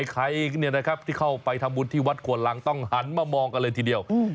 ใครที่เข้าไปทำบุญที่วัดขวนลังต้องหันมามองกันเลยทีเดียว